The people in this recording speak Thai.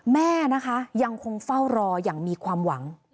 แม่นะคะยังคงเฝ้ารออย่างมีความหวัง